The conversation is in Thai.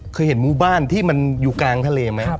เคยเห็นหมู่บ้านที่มันอยู่กลางทะเลไหม